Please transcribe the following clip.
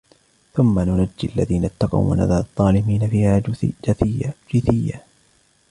ثُمَّ نُنَجِّي الَّذِينَ اتَّقَوْا وَنَذَرُ الظَّالِمِينَ فِيهَا جِثِيًّا